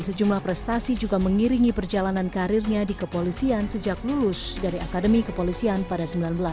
sejumlah prestasi juga mengiringi perjalanan karirnya di kepolisian sejak lulus dari akademi kepolisian pada seribu sembilan ratus sembilan puluh